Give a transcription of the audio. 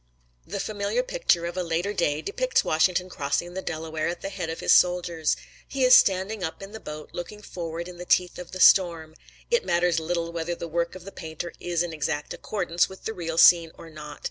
The familiar picture of a later day depicts Washington crossing the Delaware at the head of his soldiers. He is standing up in the boat, looking forward in the teeth of the storm. It matters little whether the work of the painter is in exact accordance with the real scene or not.